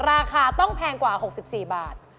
ราคาต้องแพงกว่า๖๔บาท